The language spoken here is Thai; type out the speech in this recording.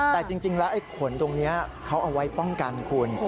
แต่จริงแล้วไอ้ขนตรงนี้เขาเอาไว้ป้องกันคุณ